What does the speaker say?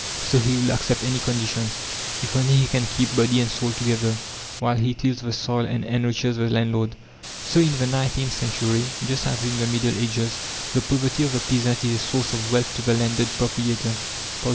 So he will accept any conditions, if only he can keep body and soul together, while he tills the soil and enriches the landlord. So in the nineteenth century, just as in the Middle Ages, the poverty of the peasant is a source of wealth to the landed proprietor.